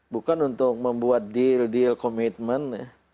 bukan untuk membuat deal deal commitment